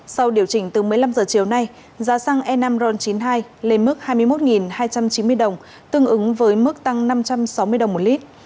sau điều chỉnh từ một mươi năm h chiều nay giá xăng e năm ron chín mươi hai lên mức hai mươi một hai trăm chín mươi đồng tương ứng với mức tăng năm trăm sáu mươi đồng một lít